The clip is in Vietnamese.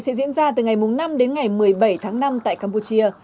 sea games ba mươi hai sẽ diễn ra từ ngày năm đến ngày một mươi bảy tháng năm tại campuchia